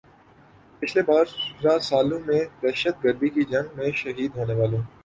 پچھلے بارہ سال میں دہشت گردی کی جنگ میں شہید ہونے والوں